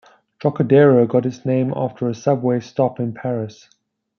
Trocadero got its name after a subway stop in Paris.